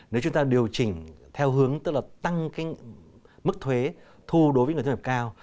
nếu chúng ta điều chỉnh theo hướng tức là tăng mức thuế thu đối với người thu nhập cao